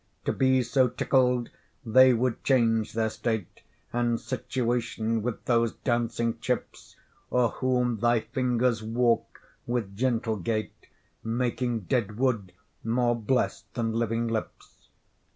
To be so tickled, they would change their state And situation with those dancing chips, O'er whom thy fingers walk with gentle gait, Making dead wood more bless'd than living lips.